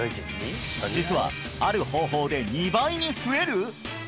実はある方法で２倍に増える！？